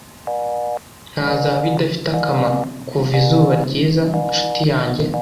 Nta zahabu idafite akamaro kuva izuba ryiza, nshuti yanjye,